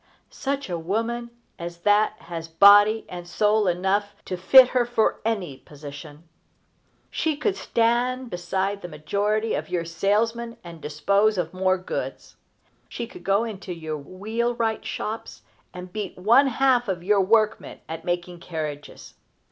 Such a woman as that has body and soul enough to fit her for any position. She could stand beside the majority of your salesmen and dispose of more goods. She could go into your wheelwright shops and beat one half of your workmen at making carriages.